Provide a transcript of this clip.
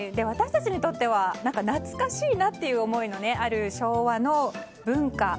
私たちにとっては懐かしいなという思いがある昭和の文化。